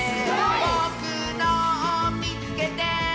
「ぼくのをみつけて！」